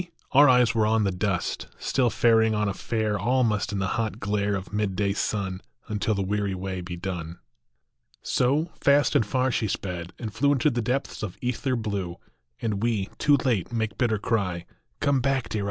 Our eyes were on the dust \ Still faring on as fare all must In the hot glare of midday sun Until the weary way be done. So, fast and far she sped and flew Into the depths of ether blue ; And we, too late, make bitter cry, " Come back, dear Opportunity